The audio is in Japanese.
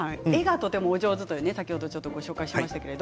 板垣さんは絵がとてもお上手だとご紹介しました。